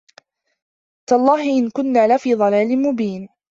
تَاللَّهِ إِن كُنّا لَفي ضَلالٍ مُبينٍ